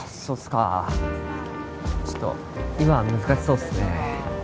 そうっすかちょっと今は難しそうっすね